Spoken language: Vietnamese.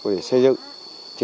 để xây dựng